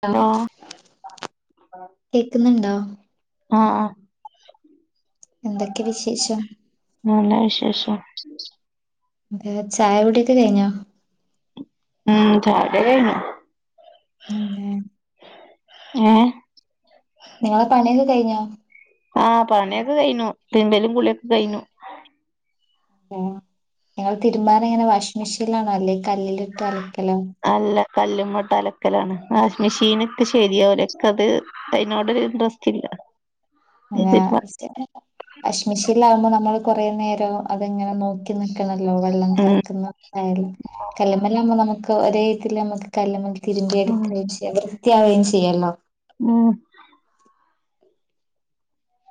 Law hello കേക്കുന്നുണ്ടോ? ആഹ് ആഹ് എന്തൊക്കെയാ വിശേഷം നല്ല വിശേഷം എന്ത്‌ ചായ കുടിയൊക്കെ കഴിഞ്ഞോ? ഉം ചായ കുടിയൊക്കെ കഴിഞ്ഞു. ഉം ലേ ഏ നിങ്ങളെ പണിയൊക്കെ കഴിഞ്ഞോ? ആ പണിയൊക്കെ കഴിഞ്ഞു തിരുമ്പലും കുളിയൊക്കെ കഴിഞ്ഞു. ആഹ് നിങ്ങള് തിരുമ്മാൻ എങ്ങനാ വാഷിംഗ് മിഷീനിലാണോ അല്ലെ കല്ലേലിട്ട് അലക്കലോ? അല്ല കല്ലുമ്മട്ട് അലക്കലാണ് വാഷിംഗ്‌ മിഷീനിട്ട് ശരിയാവൂല്ല ഇക്ക് അത് അയിനോട് ഒരു ഇൻട്രസ്റ്റ് ഇല്ല. ആ വാഷിംഗ്‌ മിഷീനിൽ ആവുമ്പോ നമ്മള് കൊറെ നേരം അതിങ്ങനെ നോക് നോക്കി നിക്കണല്ലോ വെള്ളം കറക്കുന്ന [unintelligible] കല്ലുമേലാവുമ്പോ നമുക്ക് ഒരേ ഇതിലങ്ങ് കല്ലുമ്മേൽ തിരുമ്പി ഉം എടുക്കുകയും ചെയ്യാം വൃത്തിയാവുകയും ചെയ്യൂല്ലോ ഉം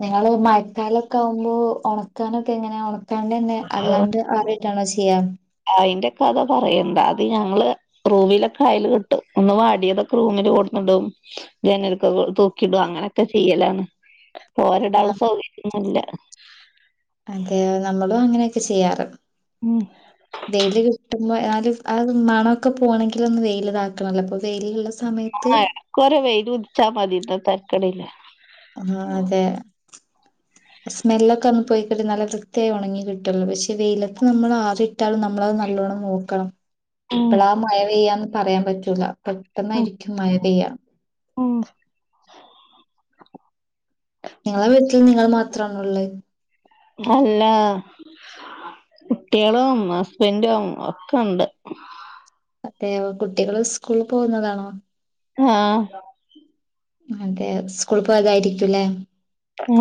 നിങ്ങള് മഴക്കാലൊക്കെ ആവുമ്പോ ഒണക്കാനൊക്കെ എങ്ങനെയാ ഒണക്കാണ്ട് തന്നെ അല്ലാണ്ട് ട്ടാണോ ചെയ്യാ അയിന്റെ കഥ പറയെണ്ട അത് ഞങ്ങള് റൂമിലൊക്കെ അയല് കെട്ടും ഒന്ന് വാടിയതൊക്കെ റൂമിൽ ലോട്ട് കെടന്നിടും ജനൽക്കെ തൂക്കിടും അങ്ങനെയൊക്കെ ചെയ്യലാണ് തോരടാള്ള സൗകര്യൊന്നുല്ല അതെയോ നമ്മളും അങ്ങനെയെക്കെ ചെയ്യാറ് ഉം വെയില് കിട്ടുമ്പോ ആ ഒരു മണൊക്കെ പോവണെങ്കിൽ ഒന്ന് വെയില് ഇതാക്കണല്ലോ അപ്പൊ വെയിലുള്ള സമ ആ എടക്കൊരു വെയിലുദിച്ചാ മതി ഇന്ന് തരക്കേടില്ല ആ അതെ സ്മെല്ലൊക്കെ ഒന്ന് പോയിക്കിട്ടി നല്ല വൃത്തിയായി ഉണങ്ങി കിട്ടുള്ളൂ പക്ഷെ വെയിലത്ത് നമ്മൾ ആറിട്ടാലും നമ്മള നല്ലോണം നോക്കണം ഉം എപ്പളാ മഴ പെയ്യാന്ന് പറയാൻ പറ്റൂല ഉം പെട്ടെന്നായിരിക്കും മയ പെയ്യാ ഉം നിങ്ങളെ വീട്ടിൽ നിങ്ങൾ മാത്രണോ ഉള്ളത് അല്ല കുട്ടിആളും ഹസ്ബൻഡും ഒക്കെ ഉണ്ട് അതെ കുട്ടികള് സ്കൂളിൽ പോകുന്നതാണോ ആഹ് അതെ സ്കൂൾ പോയതായിരിക്കുംല്ലേ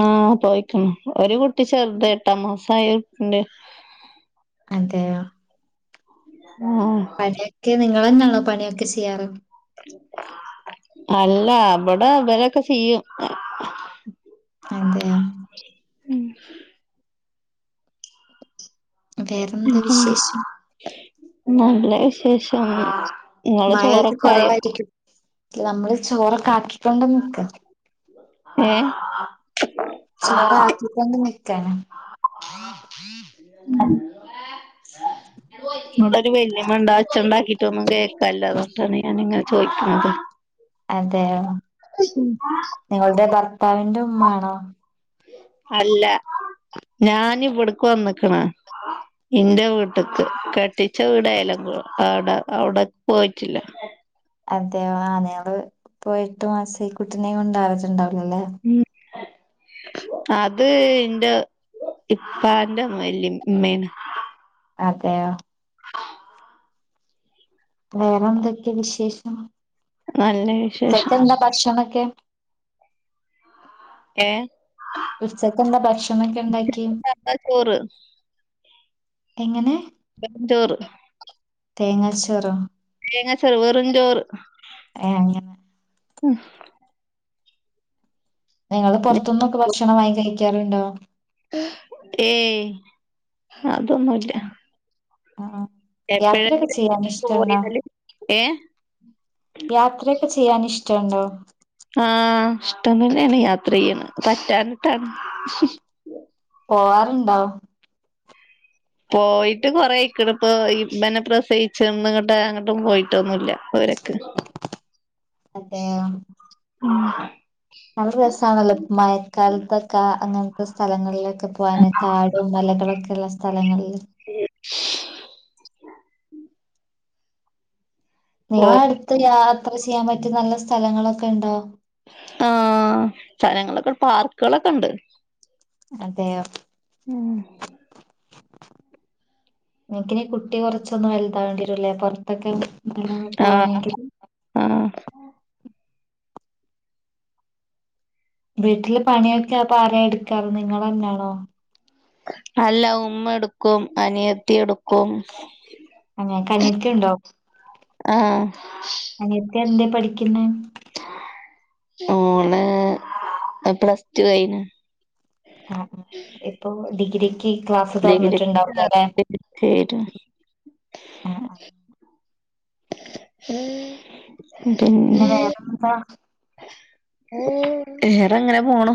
ആഹ് പോയക്കാണ് ഒരു കുട്ടി ചെറുത് എട്ടാം മാസ ആയിട്ടുണ്ട് അതേയെ ആഹ് പണിയൊക്കെ നിങ്ങൾ തന്നാണോ പണിയൊക്കെ ചെയ്യാറ് അല്ല ഇവിടെ ഇവരൊക്കെ ചെയ്യും അതെയെ ഉം വേറെന്താ വിശേഷം? നല്ല വിശേഷം ഇങ്ങളെ ചോറൊക്കെ ആയോ? ഇല്യ അമ്മള് ചോറൊക്കെ ആക്കിക്കൊണ്ട് നിക്കാ ഏഹ് ചോറ് ആക്കിക്കൊണ്ട് നിക്കാണ്. ഉം ഇവടൊര് വല്യമ്മണ്ട്. അത് ഒച്ചണ്ടാക്കിട്ടൊന്നും കേൾക്കാല്ല. അതോണ്ടാണ് ഞാനിങ്ങനെ ചോയിക്ണത് അതെയൊ. നിങ്ങളുടെ ഭർത്താവിന്റെ ഉമ്മ ആണോ അല്ല ഞാനിവിടക്ക് വന്ന്ക്ണ് ഇന്റെ വീട്ടക്ക്. കെട്ടിച്ച വീട് [unintelligible] അവിടെ അവിടെ പോയിട്ടില്ല അതെയൊ ആ നിങ്ങള് ഇപ്പൊ എട്ടു മാസെ കുട്ടിനിം കൊണ്ട് [unintelligible] ഉം അത് ഇന്റെ ഇപ്പാന്റെ വല്‌യി മ്മേണ് അതെയോ ആ വേറെ എന്തൊക്കെ വിശേഷം നല്ല വിശേഷം ഉച്ചക്കന്താ ഭക്ഷണൊക്കെ ഏഹ്? ഉച്ചക്കെന്താ ഭക്ഷണക്കെ ഉണ്ടാക്കിയെ? സാദാ ചോറ് എങ്ങനെ വെറും ചോറ് തേങ്ങാച്ചോറോ [unintelligible] വെറുംഞ്ചോറ് ഏ അങ്ങനെ ഉംഹ് നിങ്ങള് പൊറത്തുന്നൊക്കെ ഭക്ഷണം വാങ്ങി കഴിക്കാറുണ്ടോ ഏയ്. അതൊന്നുല്ല ആ യാത്രയൊക്കെ എപ്പഴെങ്കിലും ചെയ്യാൻ ഇഷ്ടണ്ടോ തോന്ന്യാല്. ഏഹ് യാത്രയൊക്കെ ചെയ്യാൻ ഇഷ്ടണ്ടോ ആഹ് ഇഷ്ടം തന്നെണ് യാത്ര ചെയ്യണത് പറ്റാനിട്ടാണ് പോവാറുണ്ടൊ പോയിട്ട് കൊറെ അയ്ക്ണിപ്പൊ. ഇബനെ പ്രസവിച്ച് ന്ന് ഇങ്ങട്ടും അങ്ങട്ടും പോയിട്ടൊന്നുല്ല പൊരക്ക് അതെയോ [unintelligible] നല്ല രസാണല്ലോ മഴക്കാലത്തൊക്ക അങ്ങൻത്തെ സ്ഥലങ്ങളില് ക്കെ പോവാന്. കാടും മലകളൊക്കെ ഉള്ള സ്ഥലങ്ങളിൽ പോ നിങ്ങളെ അടുത്ത് യാത്ര ചെയ്യാൻ പറ്റിയ നല്ല സ്ഥലങ്ങളൊക്കെ ഉണ്ടോ ആഹ്. സ്ഥലങ്ങളൊക്കെ പാർക്കുകളൊക്കെ ഉണ്ട് അതെയോ ഉം നിൻക്കിനി കുട്ടി കൊറച്ചൊന്നു വലുതാവേണ്ടിവരുല്ലേ പുറത്തൊക്കെ [unintelligible] ആഹ് പോവാനായിട്ട് [unintelligible] ആഹ് വീട്ടില് പണിയൊക്കെ അപ്പൊ ആരാ എടുക്കാറ്. നിങ്ങളന്നാണോ? അല്ല ഉമ്മ എടുക്കും അനിയത്തി എടുക്കും നിങ്ങക്കനിയത്തി ഉണ്ടോ ആഹ് അനിയത്തി എന്തെ പഠിക്കുന്നെ ഓള് പ്ലസ് ടു കഴിഞ്ഞ് ആഹ് ഇപ്പോ ഡിഗ്രിക്ക് ക്ലാസ് തുറന്നിട്ടുണ്ടാവൂലോ അല്ലെ ഡിഗ്രിക്ക് ആഹ് [unintelligible] പിന്നെ വേറെന്താ [unintelligible] അങ്ങനെ പോണു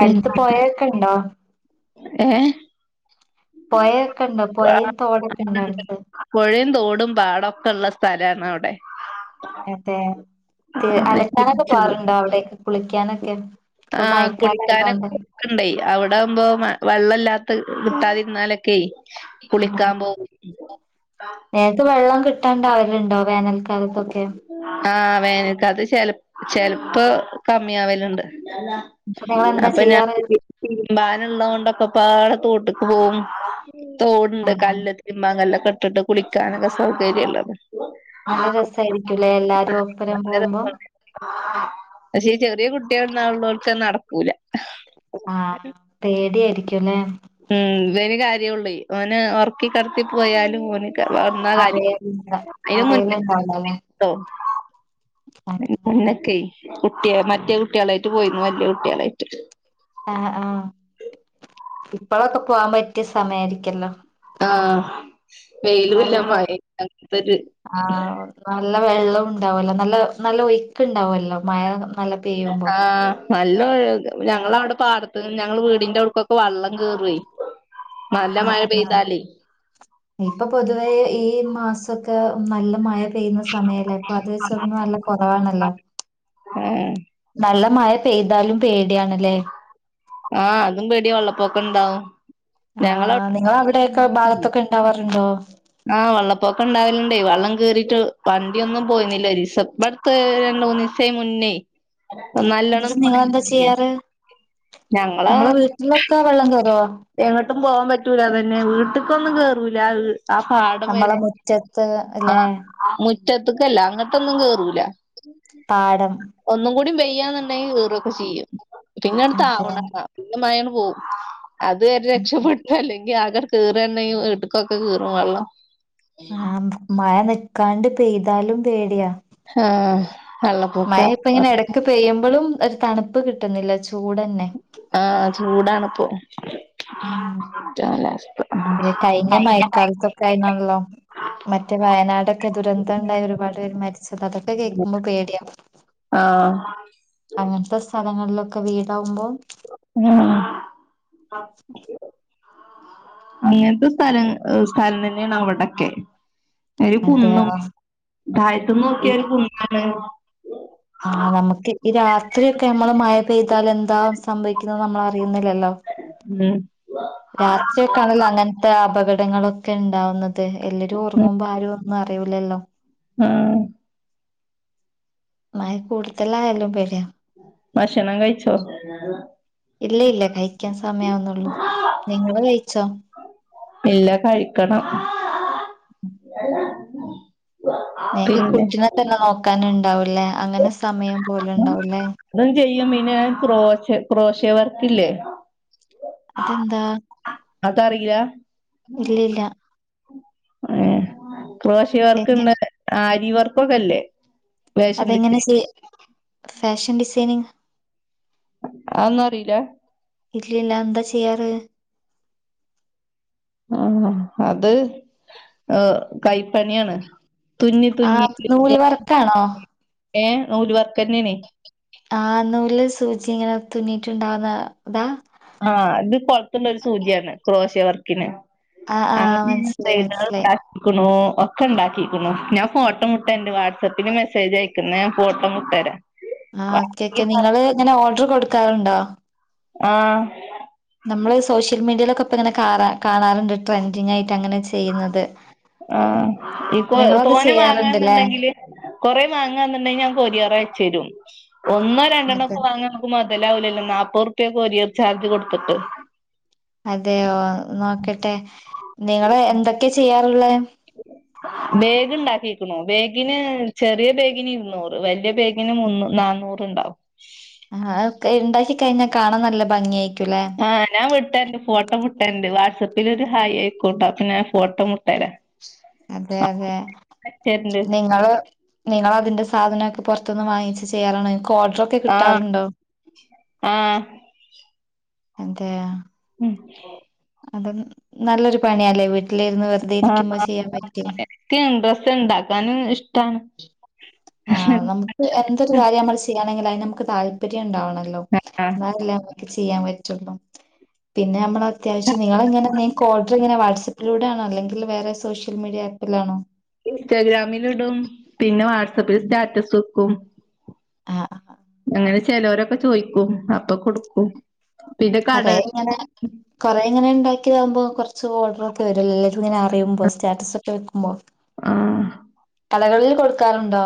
അടുത്ത് പിന്നെ പൊയൊക്കെ ഉണ്ടോ ഏഹ് പൊയൊക്കെ ഉണ്ടോ പൊയയും തോടൊക്കെ ഉണ്ടോ അടുത്ത് പുഴയും തോടും പാടം ഒക്കെള്ള സ്ഥലാണ് അവിടെ അതെ. ക് അലക്കാനൊക്കെ പോവല്ണ്ടോ അവിടേക് കുളിക്കാനൊക്കെ ഇപ്പൊ ആഹ് മഴക്കാലം കുളിക്കാനൊക്കെ ആയതുകൊണ്ട് പോക്ക്ണ്ടേ. അവിടെ ആവുമ്പോ വെള്ളല്ലാ കിട്ടാതിരുന്നാലൊക്കെ ആ ആ കുളിക്കാൻ പോകും. കിട്ടാണ്ടാവല്ണ്ടോ വേനൽക്കാലത്തൊക്കെ വേനൽ കാലത്ത് ചെ ചെൽപ്പോ കമ്മി ആവലുണ്ട്. അപ്പൊ നിങ്ങൾ എന്താ അപ്പൊ ഞാൻ ചെയ്യാറ് തിരുമ്പാൻ ഉള്ളകൊണ്ടൊക്ക പാ തോട്ട്ക്ക് പോവും ആ തോട്ണ്ട് ആ കല്ല് തിരുമാം കല്ല് കെ ഇട്ടിട്ട് കുളിക്ക നല്ല രസാ [inaudible] പക്ഷേ ചെറിയ കുട്ടികൾ നൊള്ളൊണ്ട് ക്കാ നടക്കുല്ലാ. ആഹ് പേടിയായിരിക്കുല്ലേ മ് ഇവന് കാര്യോള് ഓനെ ഒർ ക്കികെടത്തി പോയാലും ഓന് വന്ന [unintelligible] അറിയലില്ല അയിന് മുന്നേ അറിയലുണ്ടാവില്ലല്ലേ [unintelligible] അങ്ങനെ മന്നക്കെ കുട്ടിയ മറ്റേ കുട്ടികളായിട്ട് പോയിരുന്നു വല്യ കുട്ടികളായിട്ട് ഇപ്പോളോക്കെ പോവാൻ പറ്റിയ സമയാരിക്കല്ലോ ആഹ് വെയിലുല്ലാ നല്ല മഴെ ഇല്ലാത്തൊരു ആഹ് നല്ല വെള്ളം ഉണ്ടാവല്ലോ നല്ല നല്ല ഒയ്ക്ക് ഉണ്ടാവല്ലോ മഴ നല്ല പെയ്യുമ്പോ ആഹ് നല്ല ഞങ്ങളവിടെ പാടത്ത് ഞങ്ങൾ വീടിന്റെ അടുക്കൊക്കെ വെള്ളം കേറൊയ് ആഹ് ഇപ്പൊ പൊതുവെ ഈ ഈ മാസൊക്കെ നല്ല മഴ പെയ്യുന്ന സമയല്ലേ അപ്പൊ അത് വെച്ച് നോക്കുമ്പോ നല്ല കൊറവാണല്ലോ. ആ നല്ല മഴ പെയ്താലും പേടിയാണ് ല്ലേ ആഹ് അതും പേടിയ വള്ളപൊക്കം ണ്ടാവും ആഹ് നിങ്ങൾ അവിടൊക്കെ ഭാഗത്തൊക്കെ ഇണ്ടാവാറുണ്ടോ? ആഹ് വള്ളപ്പൊക്കം ഇ ണ്ടാവലുണ്ടേ വെള്ളം കേറിയിട്ട് വണ്ടിയൊന്നും പോയിന്നില്ല ഒരീസം ബട്ത് രണ്ടു മൂന്നീസം മുന്നേ നല്ലോണം എന്നിട്ട് മയ നിങ്ങളെന്താ പെയ്തില്ലേ ചെയ്യാറ് നമ്മളെ വീട്ടിലൊക്കെ വെള്ളം കേറുവാ എങ്ങോട്ടും പോവാൻ പറ്റൂലതന്നെ വീട്ട്ക്കൊന്നും കേറൂല. ആ പാടം നമ്മളെ വരെ മുറ്റത്ത് ആ അല്ലെ മുറ്റത്ത്ക്കല്ല അങ്ങട്ടൊന്നും കേറൂല. പാടം പെയ്യാന്നുണ്ടെങ്കി കേറോക്കെ ചെയ്യും. പിന്നെ ആണ്ട് അതെ താവ്ണ ണാ പിന്നെ മയാണ്ട് പോവും. അതുവരെ രക്ഷപ്പെട്ടു അല്ലെങ്കി ആകെ കേറങ്കിൽ വീട്ടക്കൊക്കെ കേറും വെള്ളം. ആ മഴ നിക്കാണ്ട് പെയ്താലും പേടിയാ ആഹ മഴ ഇപ്പ ഇങ്ങനെ എടക്ക് പെയ്യുമ്പോഴും ഒരു തണുപ്പ് കിട്ടുന്നില്ല ചൂ ആഹ ചൂടാണ് പ്പൊ അ കഴിഞ്ഞ മയക്കാലത്തൊക്കെ അയിനല്ലോ മറ്റേ വയനാടൊക്കെ ദുരന്തം ഉണ്ടായി ഒരുപാട് പേര് മരിച്ചത് അതൊക്കെ കേക്കുമ്പോ പേടിയ ആഹ അങ്ങനത്തെ സ്ഥലങ്ങളിലൊക്കെ വീടാവുമ്പോ മ് ഇങ്ങനത്തെ സ്ഥലം സ്ഥലം തന്നെയാണ് അവിടൊക്കെ ഒര് അതെയ കുന്നും തായത്ത് നോക്കിയ ഒരു കുന്നാണ് ആ നമുക്ക് ഈ രാത്രിയൊക്കെ നമ്മള് മഴ പെയ്താൽ എന്താ ഉം രാത്രിയക്കെ ആണെല്ലോ അങ്ങനത്തെ അപകടങ്ങളൊക്കെ ഉണ്ടാവുന്നത്. അതെ എല്ലരും ഒർങ്ങുമ്പോ ആരും ഒന്നും അറിയൂല്ലല്ലോ ആ മഴ കൂടുതല ആയാലും പേടിയാ ബഷണം കഴിച്ചോ? ഇല്ല ഇല്ല കഴിക്കാൻ സമയവുന്നുള്ളൂ നിങ്ങള് കഴിച്ചോ ഇല്ല കഴിക്കണം. നിക്ക് പിന്നെ കുട്ടിനെക്കെ നോക്കാന്ണ്ടാവുലേ അങ്ങനെ സമയം പോല്ണ്ടാവൂലേ അതും ചെയ്യും പിന്നെ ക്രോശ ക്രോശേവർക്കല്ലേ അതെന്താ അതറിയില്ല ഇല്ലല്ല ഏ ക്രോശ വർക്ക് എങ്ങ ന്ന് ആരിവർക്കൊക്കെല്ലേ അതെങ്ങനെ ചെ ഫാഷൻ ഡിസൈനിങ് ആ ഒന്നുറീല ഇല്ലല്ല എന്താ ചെയ്യാറ് ആ അത് ഏ കൈപ്പണ്യാണ് ആ നൂല് വർക്കാണോ ഏ നൂൽ വർക്കെന്നേണ് ആ നൂല് സൂചിങ്ങനെ തുന്നിട്ടുണ്ടാവുന്ന അതാ ആ ത് കൊളത്തുള്ളൊരു സൂച്യാണ് ക്രോഷ്യ വർക്കിന് ആ ആ അങ്ങനെ മനസ്സിലായി ചെയത മനസ്സിലായി [unintelligible] ണൂ ഒക്കെ ഇണ്ടാക്കിക്ക്ണു ഞാൻ ഫോട്ടോ വിട്ടെരൻ്റ് വാട്സപ്പിൽ മെസ്സേജ് അയക്ക് ന്ന ഞാ ഫോട്ടം വിട്ടരാ ആ ഓക്കെ ക്കെ നിങ്ങള് ഇങ്ങനെ ഓർഡർ കൊട്ക്കാറ്ണ്ടോ ആ പ്പക്കങ്ങനെ കാണാ കാണാനിങ്ങ് ട്രെൻഡിങ്ങായിട്ട ങ്ങനെ ചെയ്യുന്നത് ആ പ്പോ നിങ്ങളത് തോനെ ചെയ്യാറുണ്ടല്ലേ വാങ്ങന്ന്ണ്ടെങ്കില് കുറെ വാങ്ങാന്നുണ്ടെങ്കിൽ ഞ ക്കൊരിയറയ്ച്ചെരും ഒന്നോ അതെ രണ്ടെണൊക്കെ വാങ്ങാനിക്കുമ്പോ മ തലാവൂലല്ലോ നാപോർപ്യ കൊരിയർ ചാർജ് കൊട്ത്തിട്ട് അതെയോ നോക്കട്ടെ നിങ്ങള് എന്തൊക്കെ ചെയ്യാറുള്ളെ ബേഗ് ഇണ്ടാക്കിക്ക്ണ് ബേഗിന് ചെറിയ ബേഗിന് ഇരുന്നൂറ് വെല്ല്യ ബേഗിന് മുന്നു നാ ന്നൂറ്ണ്ടാവും ആ ഒക്കെ ഇണ്ടാക്കി കഴിഞ്ഞാ കാണാൻ നല്ല ഭംഗിയാ ആ ഞാൻ വിട്ടര്ൻ്റ് ഫോട്ടോ വി ട്ടണ്ട് വാട്‌സപ്പിലൊരു ഹായ് ആയിക്കോട്ടോ അപ്പോ ഞാ ഫോട്ടം വിട്ടരാ അതെ അതെ അയച്ചരണ്ട് നിങ്ങള് നിങ്ങളതിന്റെ സാധനൊക്കെ പൊർത്ത്ന്ന് വാങ്ങിച്ച് ചെയ്യാറാണോ ക്കൊർഡറൊക്കെ ആഹ് കിട്ടാറുണ്ടോ ആഹ് അതേയാ ഉം അത് നല്ലൊരു പണിയാലേ വി ട്ടിലിര്ന്ന് വെർതെ ആഹ് ഇരിക്കുമ്പോ ചെയ്യാൻ പറ്റ്യേ ഇക്ക് ഡ്രസ്സ് ഇണ്ടാക്കാനും ഇഷ്ടാണ് ആ നമ്ക്ക് എന്തൊരു കാര്യം നമ്മൾ ചെയ്യണെങ്കില് അയ്ന് നമ്ക്ക് താല്പര്യണ്ടാവണം ണല്ലോ ആഹ് എന്നാലല്ലേ നമ്മക്ക് ചെയ്യാൻ പറ്റൊള്ളൂ പിന്നെ മ്മളെ അത്യാവശ്യം നിങ്ങളങ്ങനെ നിങ്ങക്ക് ഓഡറിങ്ങനെ വാട്സപ്പിലൂടെയാണോ അല്ലെങ്കിൽ വേറെ സോഷ്യൽ മീഡിയ ആപ്പിലാണോ ഇൻസ്റ്റാഗ്രാമിൽ ഇടും പിന്നെ വാട്സാപ്പിൽ സ്റ്റാറ്റസ് വെക്കും ആ ആ ങ്ങനെ ചെലോരൊക്കെ ചോയ്ക്കും അപ്പൊ കൊട്ക്കും അതേ ഇങ്ങനെ കൊറേ ഇങ്ങനെ ഇണ്ടാക്കിയതാകുമ്പോ കൊറച്ച് ഓർഡറൊക്കെ വരും ല്ല ങ്ങനെ അറിയുമ്പോ സ്റ്റാറ്റസൊക്കെ വെക്കുമ്പോ ആ കടകളിൽ കൊട്ക്കാറുണ്ടോ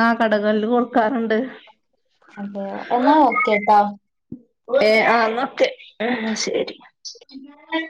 ആ കടകളില് കൊട്ക്കാറ്ണ്ട് അതെയൊ എന്നാ ഓക്കേട്ടാ ഏ ആ ന്നാ ഓക്കേ ആ ശെരി